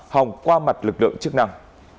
hòng qua mặt lực lượng chức năng